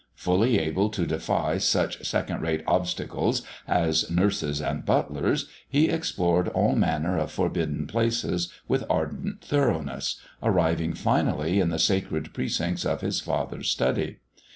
Fully able to defy such second rate obstacles as nurses and butlers, he explored all manner of forbidden places with ardent thoroughness, arriving finally in the sacred precincts of his father's study.